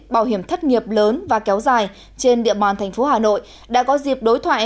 bảo hiểm thất nghiệp lớn và kéo dài trên địa bàn thành phố hà nội đã có dịp đối thoại